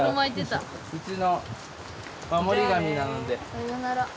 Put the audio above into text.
さよなら。